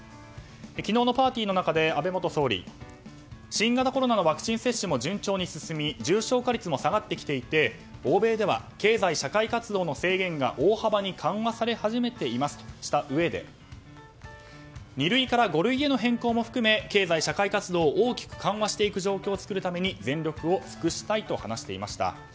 昨日のパーティーの中で安倍元総理、新型コロナのワクチン接種も順調に進み重症化率も下がってきていて欧米では経済社会活動の制限が大幅に緩和され始めていますとしたうえで二類から五類への変更も含め経済社会活動を大きく緩和していく状況を作るために全力を尽くしたいと話していました。